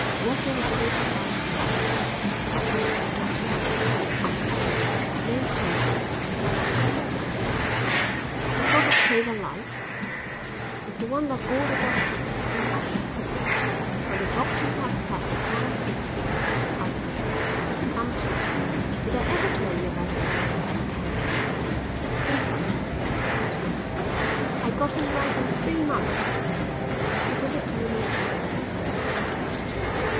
Walker was very proud of his skill, and with the dogmatism of ignorance had no patience with the members of the medical profession. "The sort of case I like," he said, "is the one that all the doctors have given up as hopeless. When the doctors have said they can't cure you, I say to them, 'come to me.' Did I ever tell you about the fellow who had a cancer?" "Frequently," said Mackintosh. "I got him right in three months." "You've never told me about the people you haven't cured."